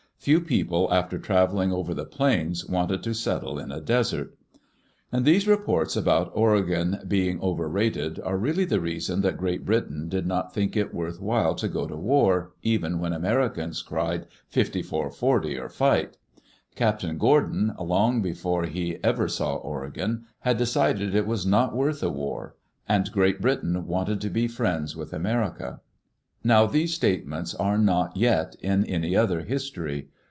Few people, after traveling over the plains, wanted to settle in a " desert.'* And these reports about Oregon being overrated are really the reason that Great Britain did not think it worth while to go to war, even when Americans cried "Fifty four forty, or fight I" Captain Gordon, long before he ever saw Oregon, had decided it was not worth a war. And Great Britain wanted to be friends with America. Now these statements are not yet in any other history.